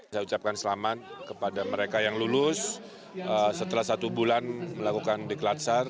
saya ucapkan selamat kepada mereka yang lulus setelah satu bulan melakukan di klatsar